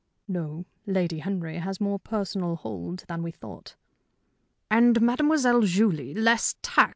"No. Lady Henry has more personal hold than we thought." "And Mademoiselle Julie less tact.